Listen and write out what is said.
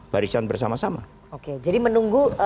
barisan bersama sama oke jadi menunggu